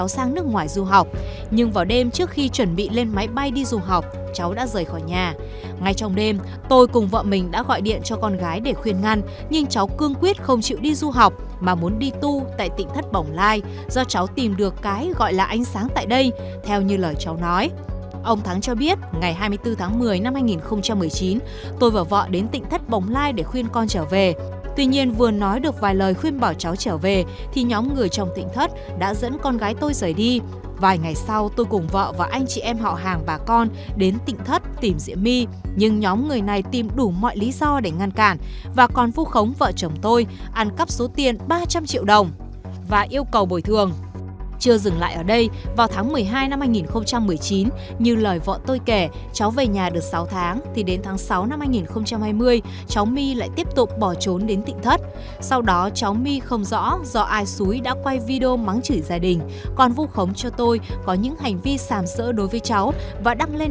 sau đó cháu my không rõ do ai xúi đã quay video mắng chửi gia đình còn vụ khống cho tôi có những hành vi sàm sỡ đối với cháu và đăng lên nền tảng youtube